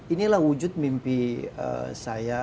inilah wujud mimpi saya